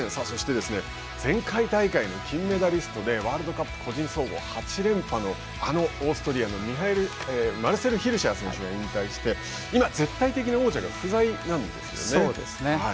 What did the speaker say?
そして前回大会の金メダリストでワールドカップ個人総合８連覇のあのオーストリアのマルセルヒルシャー選手が引退して今、絶対的な王者が不在なんですよね。